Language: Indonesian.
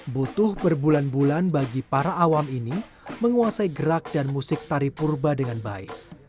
butuh berbulan bulan bagi para awam ini menguasai gerak dan musik tari purba dengan baik